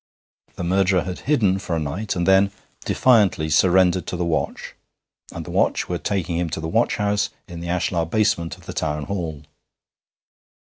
The murderer had hidden for a night, and then, defiantly, surrendered to the watch, and the watch were taking him to the watch house in the ashlar basement of the Town Hall.